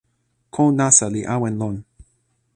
ko nasa li awen lon.